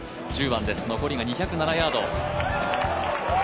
１０番です、残りが２０７ヤード。